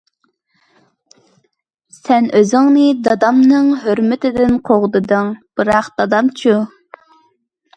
سەن ئۆزۈڭنى، دادامنىڭ ھۆرمىتىنى قوغدىدىڭ، بىراق دادامچۇ؟!